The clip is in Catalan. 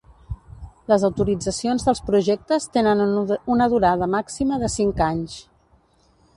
Les autoritzacions dels projectes tenen una durada màxima de cinc anys.